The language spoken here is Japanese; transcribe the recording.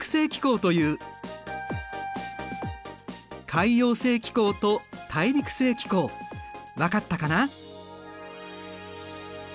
海洋性気候と大陸性気候分かったかな？